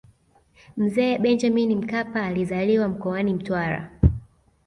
mzee benjamini mkapa alizaliwa mkoani mtwara